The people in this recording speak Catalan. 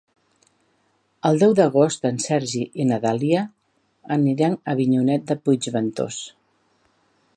El deu d'agost en Sergi i na Dàlia aniran a Avinyonet de Puigventós.